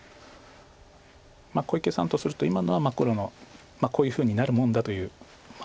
小池さんとすると今のは黒のこういうふうになるもんだという。